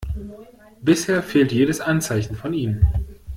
Bisher fehlt jedes Anzeichen von ihm.